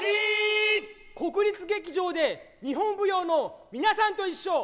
国立劇場で日本舞踊のみなさんといっしょ。